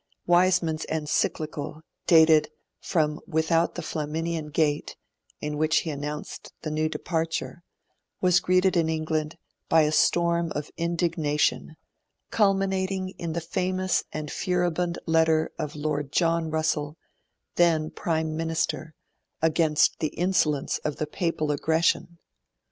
Wiseman's encyclical, dated 'from without the Flaminian Gate', in which he announced the new departure, was greeted in England by a storm of indignation, culminating in the famous and furibund letter of Lord John Russell, then Prime Minister, against the insolence of the 'Papal Aggression'.